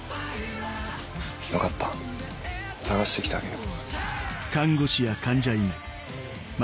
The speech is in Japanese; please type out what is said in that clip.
分かった探してきてあげる。